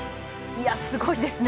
すごいですね。